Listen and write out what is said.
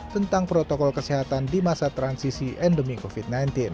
tentang protokol kesehatan di masa transisi endemi covid sembilan belas